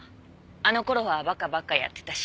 あの頃は馬鹿ばっかやってたし。